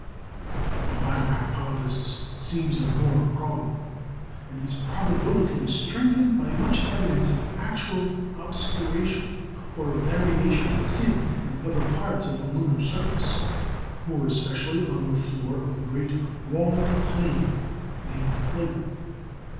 The latter hypothesis seems the more probable: and its probability is strengthened by much evidence of actual obscuration or variation of tint in other parts of the lunar surface, more especially on the floor of the great "walled plain" named "Plato."